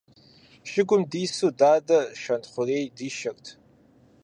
Шыгум дису дадэ Шэнтхъурей дишэрт.